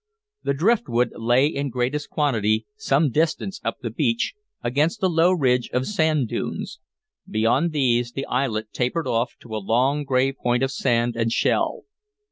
The driftwood lay in greatest quantity some distance up the beach, against a low ridge of sand dunes. Beyond these the islet tapered off to a long gray point of sand and shell.